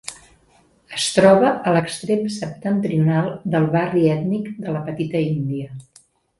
Es troba a l'extrem septentrional del barri ètnic de la Petita Índia.